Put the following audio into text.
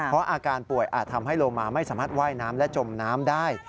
เพราะอาการป่วยอาจทำให้โลมาไม่สามารถว่ายน้ำและจมน้ำได้